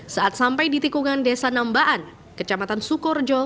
saat sampai di tikungan desa nambaan kecamatan sukorjo